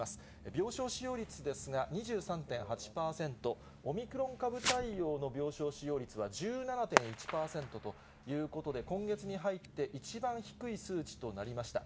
病床使用率ですが、２３．８％、オミクロン株対応の病床使用率は１７．１％ということで、今月に入って一番低い数値となりました。